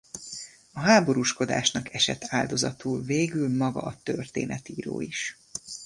A háborúskodásnak esett áldozatul végül maga a történetíró is.